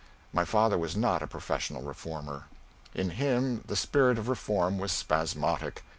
My father was not a professional reformer. In him the spirit of reform was spasmodic.